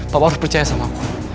bapak harus percaya sama aku